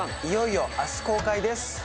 いよいよ明日公開です